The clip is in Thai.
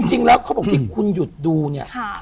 จริงแล้วเขาบอกจริงคุณหยุดดูเนี่ย